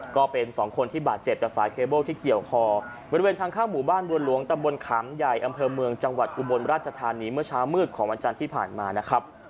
ก็เป็นสองคนที่บาดเจ็บจากสายเคเบิ้ลที่เกี่ยวคอบริเวณทางเข้าหมู่บ้านบัวหลวงตำบลขามใหญ่อำเภอเมืองจังหวัดอุบลราชธานีเมื่อเช้ามืดของวันจันทร์ที่ผ่านมานะครับ